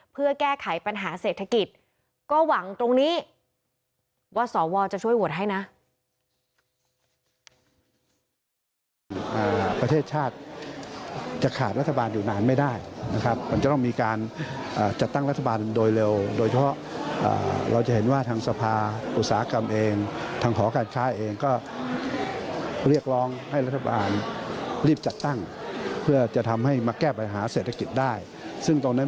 เพื่อแก้ไขปัญหาเศรษฐกิจก็หวังตรงนี้ว่าสวจะช่วยโหวตให้นะ